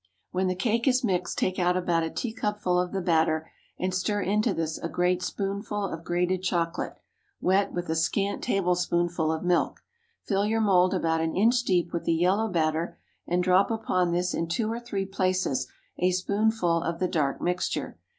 When the cake is mixed take out about a teacupful of the batter, and stir into this a great spoonful of grated chocolate, wet with a scant tablespoonful of milk. Fill your mould about an inch deep with the yellow batter, and drop upon this, in two or three places, a spoonful of the dark mixture.